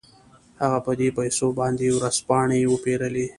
هغه په دې پيسو باندې ورځپاڼې وپېرلې.